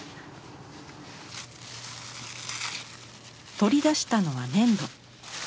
取り出したのは粘土。